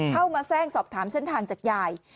เข้ามาแทรกสอบถามเส้นทางจากยาย